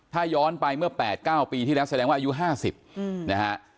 ถ้าย้อนไปเมื่อ๘๙ปีที่แล้วแสดงว่าอายุ๕๐นะฮะ